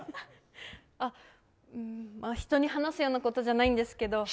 人に話すようなことじゃないんですけど。